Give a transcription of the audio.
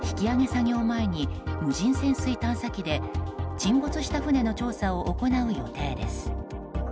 作業前に無人潜水探査機で沈没した船の調査を行う予定です。